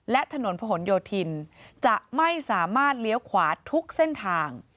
และถนนผนโยธินจะไม่สามารถเลี้ยวขวาทุกเส้นทาง